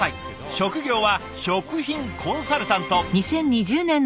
職業は食品コンサルタント。